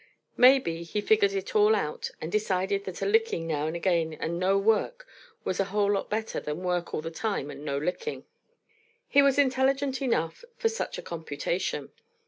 Maybe he figured it all out and decided that a licking now and again and no work was a whole lot better than work all the time and no licking. He was intelligent enough for such a computation.